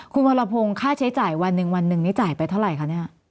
คุณวรพงศ์ค่าใช้จ่ายวันหนึ่งวันหนึ่งนี้จ่ายไปเท่าไหร่คะเนี่ย